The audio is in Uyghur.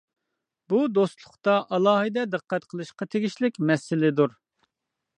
بۇ دوستلۇقتا ئالاھىدە دىققەت قىلىشقا تېگىشلىك مەسىلىدۇر.